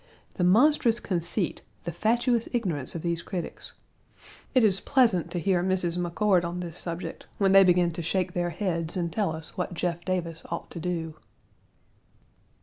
The monstrous conceit, the fatuous ignorance of these critics! It is pleasant to hear Mrs. McCord on this subject, when they begin to shake their heads and tell us what Jeff Davis ought to do.